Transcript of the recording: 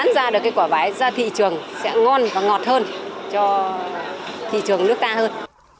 ra thị trường sẽ ngon và ngọt hơn cho thị trường nước ta hơn